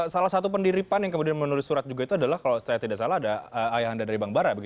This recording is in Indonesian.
salah satu pendiripan yang kemudian menulis surat juga itu adalah kalau saya tidak salah ada ayahanda dari bang bara